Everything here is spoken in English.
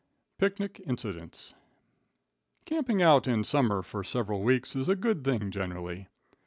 Picnic Incidents. Camping out in summer for several weeks is a good thing generally.